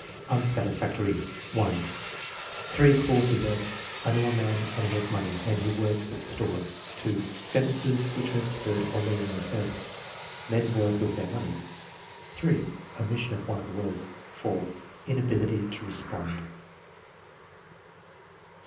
Unsatisfactory: (1) Three clauses; as: "I know a man and he has money, and he works at the store." (2) Sentences which are absurd or meaningless; as: "Men work with their money." (3) Omission of one of the words. (4) Inability to respond.